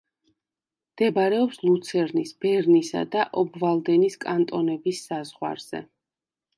მდებარეობს ლუცერნის, ბერნისა და ობვალდენის კანტონების საზღვარზე.